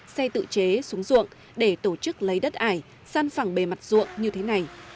xe tự chế xuống ruộng để tổ chức lấy đất ải săn phẳng bề mặt ruộng như thế này